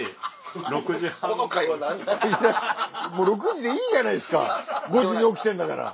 もう６時でいいじゃないですか５時に起きてんだから。